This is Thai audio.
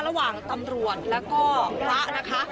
ระหว่างตำรวจแล้วก็พระนะคะ